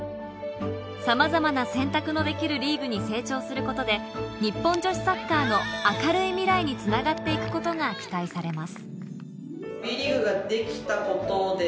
さまざまな選択のできるリーグに成長することで、日本女子サッカーの明るい未来につながっていくことが期待されます。